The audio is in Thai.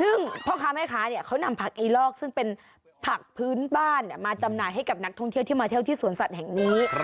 ซึ่งพ่อค้าแม่ค้าเขานำผักอีลอกซึ่งเป็นผักพื้นบ้านมาจำหน่ายให้กับนักท่องเที่ยวที่มาเที่ยวที่สวนสัตว์แห่งนี้